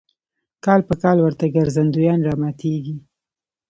کال په کال ورته ګرځندویان راماتېږي.